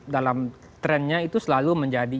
dalam trennya itu selalu menjadi